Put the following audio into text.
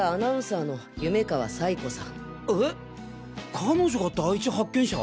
彼女が第一発見者？